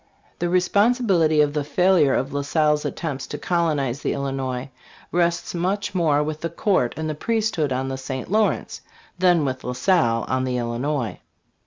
The responsibility of the failure of La Salle's attempts to colonize the Illinois rests much more with the court and the priesthood on the St. Lawrence than with La Salle on 1 the Illinois.